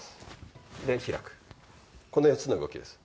この４つの動きです。